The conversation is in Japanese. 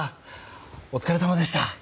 お疲れさまでした。